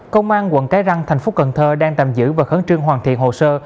công an quận cái răng thành phố cần thơ đang tạm giữ và khẩn trương hoàn thiện hồ sơ